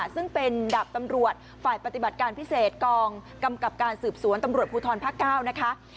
ซึ่งเป็นดาบตำรวจฝ่ายปฏิบัติการพิเศษกองกำกับการสืบสวนตำรวจภูทรภาค๙นะคะ